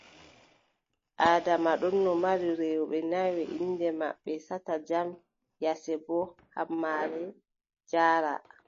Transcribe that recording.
Adama ɗonno mari rewɓe nayo inɗe maɓɓe: Sata Jam, Yasebo, Hammare, Jaara.